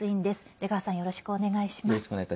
出川さん、よろしくお願いします。